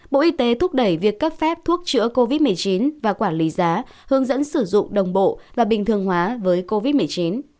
bộ y tế thúc đẩy việc cấp phép thuốc chữa covid một mươi chín và quản lý giá hướng dẫn sử dụng đồng bộ và bình thường hóa với covid một mươi chín